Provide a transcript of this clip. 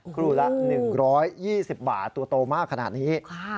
ครูละ๑๒๐บาทตัวโตมากขนาดนี้